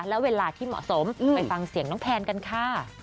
และเวลาที่เหมาะสมไปฟังเสียงน้องแพนกันค่ะ